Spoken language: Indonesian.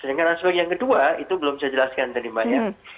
sedangkan aspek yang kedua itu belum saya jelaskan tadi mbak ya